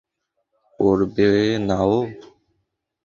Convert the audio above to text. করবে না ও।